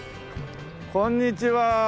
こんにちは。